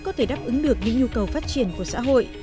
có thể đáp ứng được những nhu cầu phát triển của xã hội